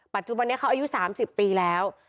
ปัจจุบันนี้เขาอายุ๓๐ปีแล้ว